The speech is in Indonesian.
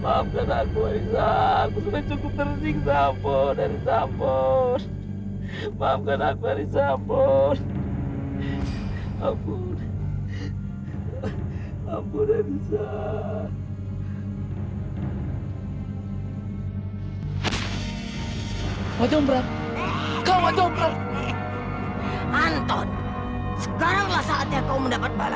maafkan aku bisa cukup tersinggung sampo dari sampo maafkan aku hari sabon ampun ampun